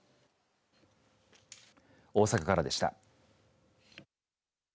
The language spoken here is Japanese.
大阪からでした。